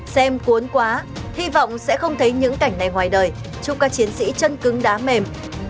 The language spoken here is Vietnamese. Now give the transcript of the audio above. xem cuốn quá hy vọng sẽ không thấy những cảnh này ngoài đời chúc các chiến sĩ chân cứng đá mềm